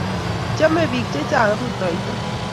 chomei pik chechang rutoito